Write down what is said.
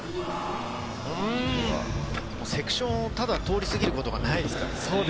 セクションをただ通り過ぎることがないです。